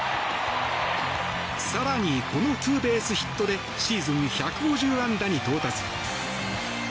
更に、このツーベースヒットでシーズン１５０安打に到達。